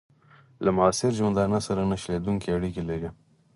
له معاصر ژوندانه سره نه شلېدونکي اړیکي لري.